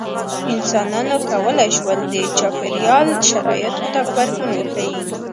انسانانو کولی شول د چاپېریال شرایطو ته غبرګون وښيي.